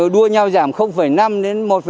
đua nhau giảm năm đến